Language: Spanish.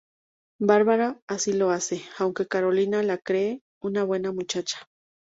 Bárbara así lo hace, aunque Carolina la cree una buena muchacha.